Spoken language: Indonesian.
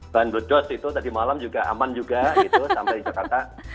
bandul dos itu tadi malam juga aman juga gitu sampai jakarta